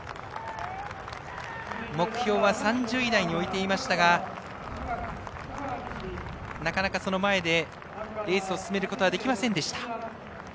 目標は３０位以内に置いていましたがなかなかその前でレースを進めることはできませんでした。